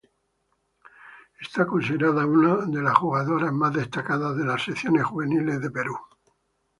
Es considerada una de las jugadoras más destacadas de las selecciones juveniles de Perú.